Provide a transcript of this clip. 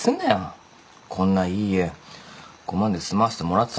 こんないい家５万で住まわせてもらってたんだからさ。